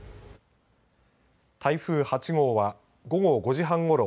台風８号は午後５時半ごろ